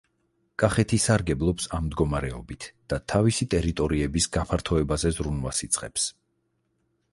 კახეთი სარგებლობს ამ მდგომარეობით და თავისი ტერიტორიების გაფართოებაზე ზრუნვას იწყებს.